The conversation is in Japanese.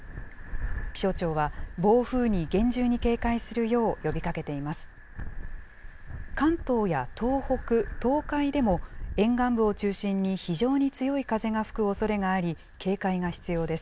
気象庁は、暴風に厳重に警戒するよう呼びかけています。